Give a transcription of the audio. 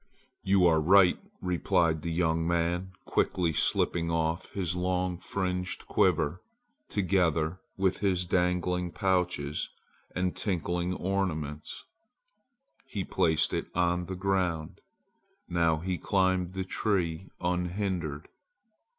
"You are right," replied the young man, quickly slipping off his long fringed quiver. Together with his dangling pouches and tinkling ornaments, he placed it on the ground. Now he climbed the tree unhindered.